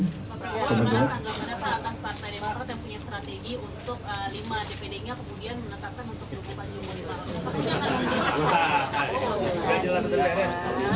pak pak pak angga juna pak atas partai demokrat yang punya strategi untuk lima dpd nya kemudian menekankan untuk dukupan jumlah dilawang